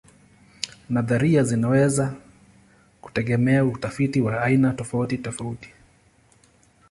Nadharia zinaweza kutegemea utafiti wa aina tofautitofauti.